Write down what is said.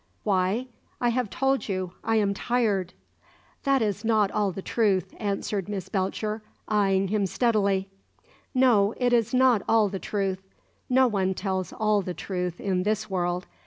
"Why? I have told you. I am tired." "That is not all the truth," answered Miss Belcher, eyeing him steadily. "No; it is not all the truth. No one tells all the truth in this world.